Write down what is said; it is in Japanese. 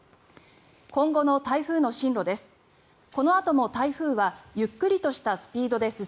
今後の台風の進路です。